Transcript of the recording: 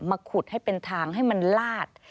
มาขุดให้เป็นทางให้มันลาด